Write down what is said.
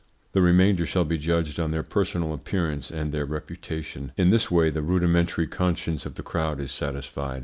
The remainder shall be judged on their personal appearance and their reputation. In this way the rudimentary conscience of the crowd is satisfied.